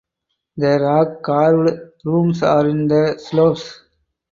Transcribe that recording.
The rock carved rooms are in the slopes.